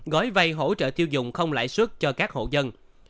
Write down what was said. gói vay hỗ trợ tiêu dùng không lãi suất cho các hộ dân